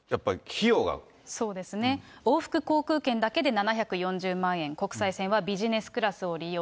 そうですね、往復航空券だけで７４０万円、国際線はビジネスクラスを利用。